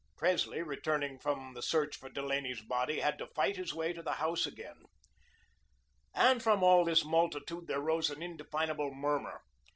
Presley, returning from the search for Delaney's body, had to fight his way to the house again. And from all this multitude there rose an indefinable murmur.